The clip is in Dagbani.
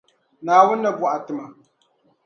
Naawuni ni bɔha tima.